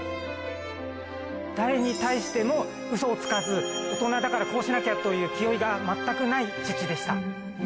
誰に対してもうそをつかず、大人だからこうしなきゃという気負いが全くない父でした。